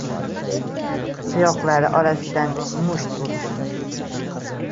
Tuyoqlari orasidan musht urdim.